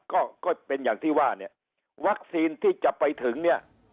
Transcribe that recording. ก็ก็เป็นอย่างที่ว่าเนี่ยวัคซีนที่จะไปถึงเนี่ย